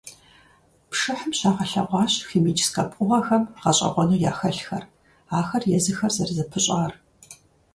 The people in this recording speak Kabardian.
Пшыхьым щагъэлъэгъуащ химическэ пкъыгъуэхэм гъэщIэгъуэну яхэлъхэр, ахэр езыхэр зэрызэпыщIар.